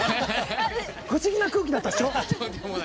不思議な空気だったでしょ。